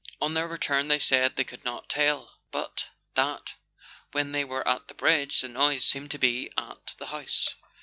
On their return they said they could not tell, but that when they were at the bridge, the noise seemed to be at the house.